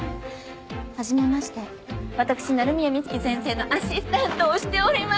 はじめまして私鳴宮美月先生のアシスタントをしております。